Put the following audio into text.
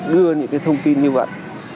đưa những cái thông tin như vậy